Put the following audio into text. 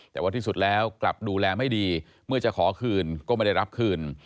แต่ว่าที่สุดแล้วกลับดูแลไม่ดีเมื่อจะขอคืนก็ไม่ได้รับคืน